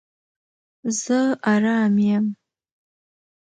زه آرام یم